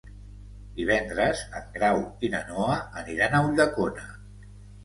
Divendres en Grau i na Noa aniran a Ulldecona.